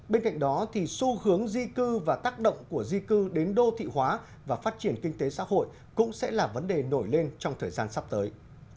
bên cạnh đó xu hướng di cư và tác động của di cư đến đô thị hóa và phát triển kinh tế xã hội cũng sẽ là vấn đề nổi lên trong thời gian sắp tới